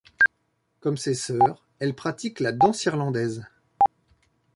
Comme ses sœurs, elle pratique la danse irlandaise.